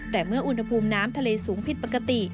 แต่เมื่ออุณหภูมิน้ำทะเลสูงผิดปกติ